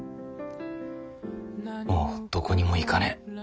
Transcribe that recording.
もうどこにも行かねえ。